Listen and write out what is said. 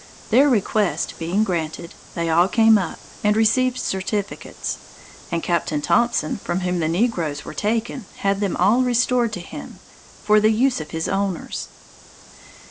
Their request being granted, they all came up, and received certificates; and Captain Thompson, from whom the negroes were taken, had them all restored to him, for the use of his owners.